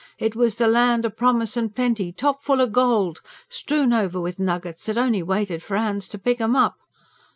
It was the Land o' Promise and Plenty, topful o' gold, strewn over with nuggets that only waited for hands to pick 'em up.